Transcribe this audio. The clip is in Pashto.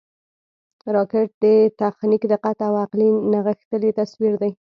راکټ د تخنیک، دقت او عقل نغښتلی تصویر دی